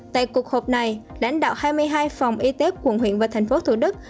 tại cuộc hộp này lãnh đạo hai mươi hai phòng y tế quận huyện và tp thủ đức